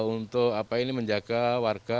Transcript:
untuk menjaga warga